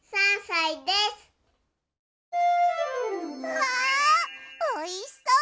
うわおいしそう！